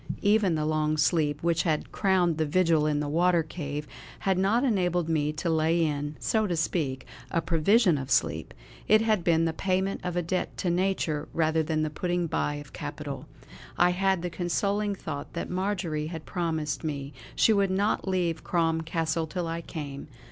Even the long sleep which had crowned the vigil in the water cave had not enabled me to lay in, so to speak, a provision of sleep; it had been the payment of a debt to nature rather than the putting by of capital. I had the consoling thought that Marjory had promised me she would not leave Crom Castle till I came.